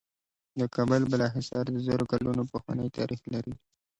د کابل د بالا حصار د زرو کلونو پخوانی تاریخ لري